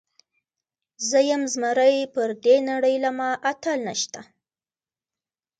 زۀ يم زمری پر دې نړۍ له ما اتل نيشته